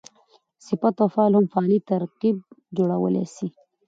صفت او فعل هم فعلي ترکیب جوړولای سي.